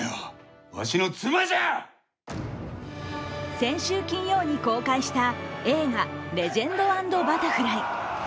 先週金曜に公開した映画「レジェンド＆バタフライ」。